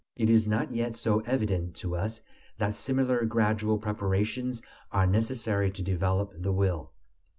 It is not yet so evident to us that similar gradual preparations are necessary to develop the will.